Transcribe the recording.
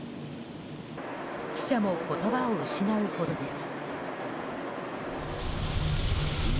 記者も言葉を失うほどです。